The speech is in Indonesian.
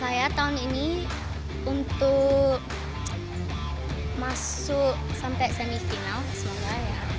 masuk sampai semifinal semoga ya